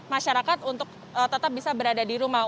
masyarakat untuk tetap bisa berada di rumah